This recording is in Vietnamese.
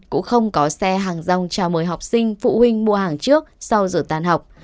cũng không có xe hàng rong trao mời học sinh phụ huynh mua hàng trước sau giờ tán học